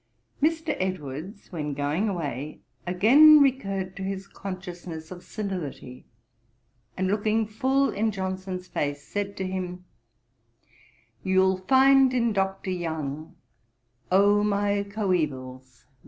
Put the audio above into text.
Mr. Edwards, when going away, again recurred to his consciousness of senility, and looking full in Johnson's face, said to him, 'You'll find in Dr. Young, "O my coevals!